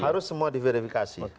harus semua diverifikasi